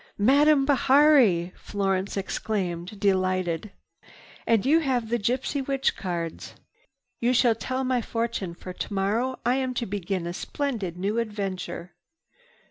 "Madame Bihari!" Florence exclaimed, delighted. "And you have the gypsy witch cards. You shall tell my fortune, for tomorrow I am to begin a splendid new adventure."